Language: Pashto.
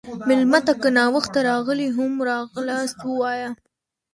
مېلمه ته که ناوخته راغلی، هم ښه راغلاست ووایه.